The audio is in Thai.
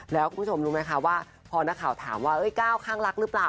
แล้วคุณผู้ชมรู้ไหมคะว่าพอนักข่าวถามว่าก้าวข้างรักหรือเปล่า